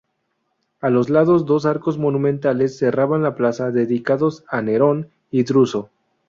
A los lados, dos arcos monumentales cerraban la plaza, dedicados a Nerón y Druso.